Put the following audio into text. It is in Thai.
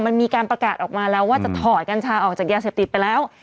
มันมีการประกาศออกมาแล้วว่าจะถอดกัญชาออกจากยาเสพติดไปแล้ว